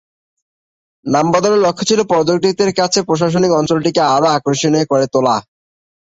নাম বদলের লক্ষ্য ছিল পর্যটকদের কাছে প্রশাসনিক অঞ্চলটিকে আরও আকর্ষণীয় করে তোলা।